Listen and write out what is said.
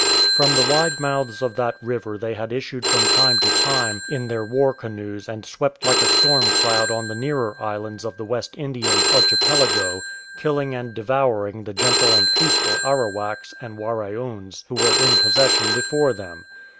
From the wide mouths of that river they had issued from time to time in their war canoes and swept like a storm cloud on the nearer islands of the West Indian Archipelago, killing and devouring the gentle and peaceful Arawaks and Waraoons who were in possession before them.